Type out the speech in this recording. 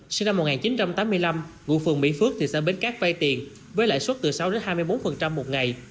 sinh năm một nghìn chín trăm tám mươi năm ngụ phường mỹ phước thị xã bến cát vay tiền với lãi suất từ sáu hai mươi bốn một ngày